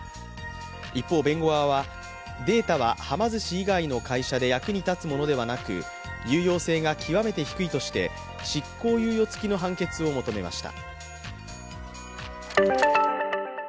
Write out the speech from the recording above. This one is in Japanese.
一方、弁護側はデータははま寿司以外の会社で役に立つものではなく有用性が極めて低いとして執行猶予付きの判決を求めました。